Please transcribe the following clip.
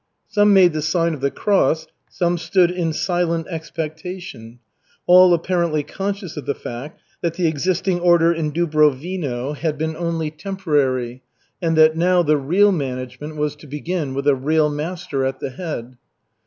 Some made the sign of the cross, some stood in silent expectation, all apparently conscious of the fact that the existing order in Dubrovino had been only temporary, and that now the real management was to begin with a real master at the head.